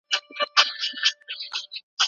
ښوونه کول د ماشومانو د پرمختګ لپاره د پلار هدف دی.